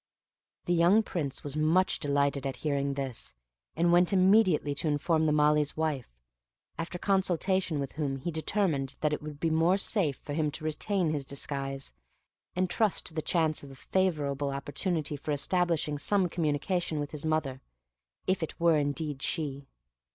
The young Prince was much delighted at hearing this, and went immediately to inform the Malee's wife; after consultation with whom he determined that it would be more safe for him to retain his disguise, and trust to the chance of a favorable opportunity for establishing some communication with his mother, if it were indeed she.